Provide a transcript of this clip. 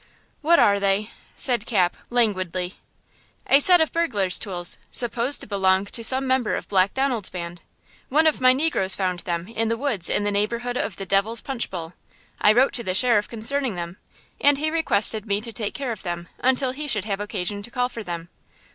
"What are they?" said Cap, languidly. "A set of burglar's tools, supposed to belong to some member of Black Donald's band! One of my negroes found them in the woods in the neighborhood of the Devil's Punch Bowl! I wrote to the sheriff concerning them, and he requested me to take care of them until he should have occasion to call for them.